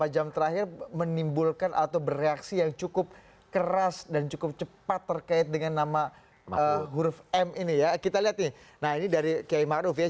jelang penutupan pendaftaran